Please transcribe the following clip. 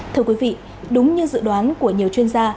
thưa quý vị đúng như dự đoán của nhiều chuyên gia